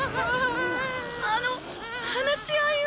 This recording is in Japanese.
あの話し合いを。